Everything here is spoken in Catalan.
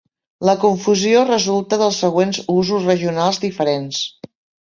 La confusió resulta dels següents usos regionals diferents.